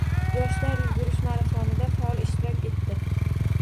Yoshlar yugurish marafonida faol ishtirok etdi